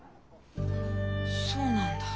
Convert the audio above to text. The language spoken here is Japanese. そうなんだ。